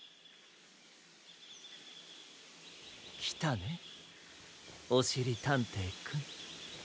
きたねおしりたんていくん。